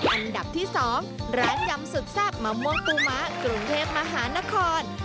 อันดับที่๒ร้านยำสุดแซ่บมะม่วงปูมะกรุงเทพมหานคร